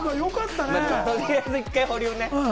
取りあえず一回保留ね。